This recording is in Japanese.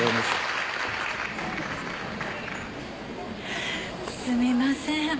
すみません。